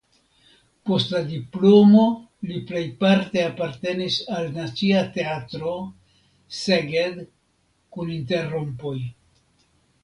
Post la diplomo li plejparte apartenis al Nacia Teatro (Szeged) kun interrompoj.